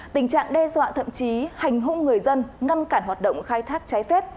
tình trạng đe dọa thậm chí hành hung người dân ngăn cản hoạt động khai thác trái phép